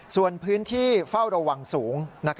ส่วนพื้นที่เฝ้าระวังสูง